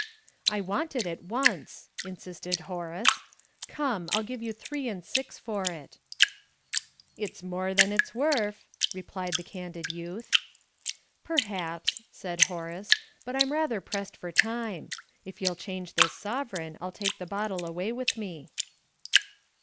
"I want it at once," insisted Horace. "Come, I'll give you three and six for it." "It's more than it's wurf," replied the candid youth. "Perhaps," said Horace, "but I'm rather pressed for time. If you'll change this sovereign, I'll take the bottle away with me."